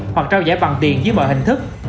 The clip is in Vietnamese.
hoặc trao giải bằng tiền với mọi hình thức